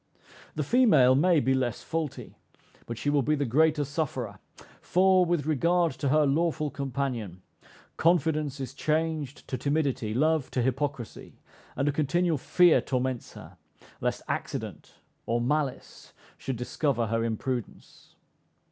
The female may be less faulty; but she will be the greater sufferer; for, with regard to her lawful companion, confidence is changed to timidity, love to hypocrisy, and a continual fear torments her, lest accident or malice should discover her imprudence.